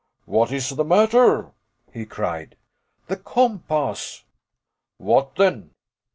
"What is the matter?" he cried. "The compass!" "What then?"